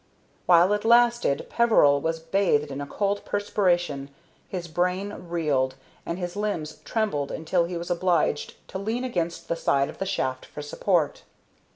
While it lasted Peveril was bathed in a cold perspiration, his brain reeled, and his limbs trembled until he was obliged to lean against the side of the shaft for support.